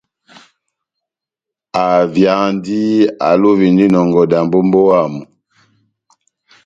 Avyandi, alovindi inɔngɔ dambo ó mbówa yamu.